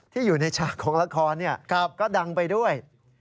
ที่อยู่ในฉากของละครก็ดังไปด้วย